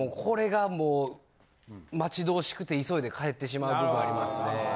これがもう待ち遠しくて急いで帰ってしまうことありますね。